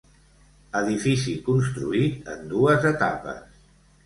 Edifici construït en dues etapes.